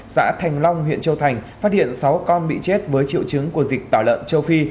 xã thành long huyện châu thành phát hiện sáu con bị chết với triệu chứng của dịch tả lợn châu phi